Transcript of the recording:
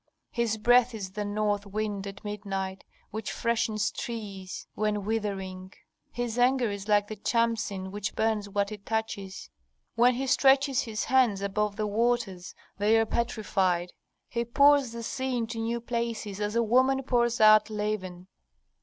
"His breath is the north wind at midnight, which freshens trees when withering, His anger is like the chamsin which burns what it touches. "When He stretches His hands above the waters, they are petrified. He pours the sea into new places, as a woman pours out leaven.